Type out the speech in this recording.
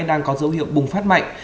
đang có dấu hiệu bùng phát mạnh